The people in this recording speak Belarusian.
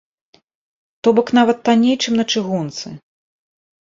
То бок нават танней, чым на чыгунцы.